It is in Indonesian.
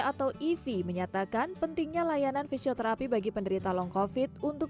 atau ivi menyatakan pentingnya layanan fisioterapi bagi penderita long covid untuk